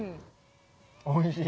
おいしい。